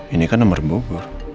ini kan nomor bubur